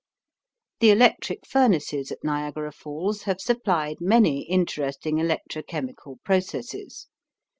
The electric furnaces at Niagara Falls have supplied many interesting electro chemical processes.